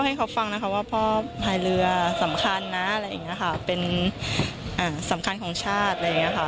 ให้เขาฟังว่าพ่อทายเรือสำคัญนะเป็นสำคัญของชาติ